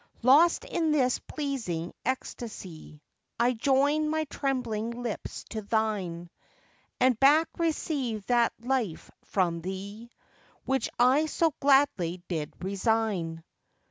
Lost in this pleasing ecstasy, I join my trembling lips to thine, And back receive that life from thee Which I so gladly did resign.